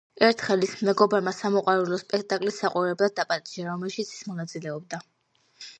ერთხელ ის მეგობარმა სამოყვარულო სპექტაკლის საყურებლად დაპატიჟა, რომელშიც ის მონაწილეობდა.